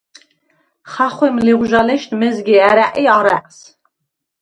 ხახვემ ლიღვაჟალეშდ მეზგე ა̈რა̈ყი არა̈ყს.